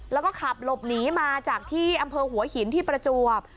แล้วก็ขับหลบหนีมาจากที่อำเภอหัวหินที่ประจวบ